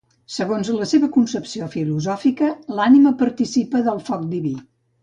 Segons la seva concepció filosòfica, l'ànima participa del foc diví